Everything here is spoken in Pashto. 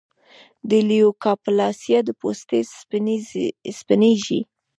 د لیوکوپلاسیا د پوستې سپینېږي.